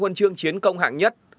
hai huân chương chiến công hạng nhất